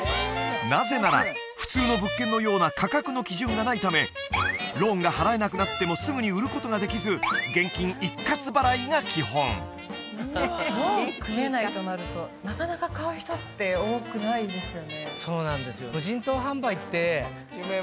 なぜなら普通の物件のような価格の基準がないためローンが払えなくなってもすぐに売ることができず現金一括払いが基本ローン組めないとなるとなかなか買う人って多くないですよねそうなんですよ